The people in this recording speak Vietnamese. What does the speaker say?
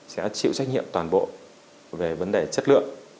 sẽ chịu trách nhiệm toàn bộ về vấn đề chất lượng